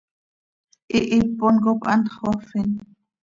Hihipon cop hantx xöafin.